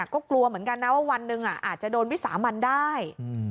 ก็กลัวเหมือนกันนะว่าวันหนึ่งอาจจะโดนวิสามันได้